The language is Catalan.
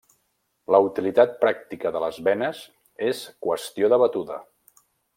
La utilitat pràctica de les benes és qüestió debatuda.